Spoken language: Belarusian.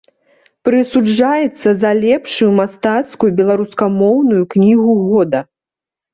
Прысуджаецца за лепшую мастацкую беларускамоўную кнігу года.